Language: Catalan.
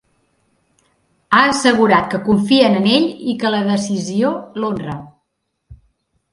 Ha assegurat que confien en ell i que la decisió l’honra.